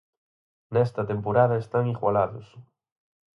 Nesta temporada están igualados.